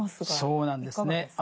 そうなんですね。